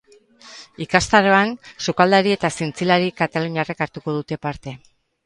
Ikastaroan sukaldari eta zientzialari kataluniarrek hartuko dute parte.